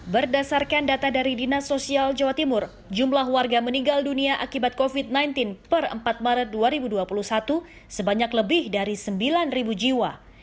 berdasarkan data dari dinas sosial jawa timur jumlah warga meninggal dunia akibat covid sembilan belas per empat maret dua ribu dua puluh satu sebanyak lebih dari sembilan jiwa